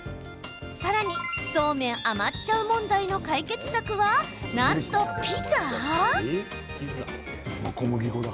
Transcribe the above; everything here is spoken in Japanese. さらにそうめん余っちゃう問題の解決策は、なんとピザ？